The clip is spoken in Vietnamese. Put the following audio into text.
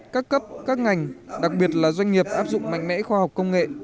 các cấp các ngành đặc biệt là doanh nghiệp áp dụng mạnh mẽ khoa học công nghệ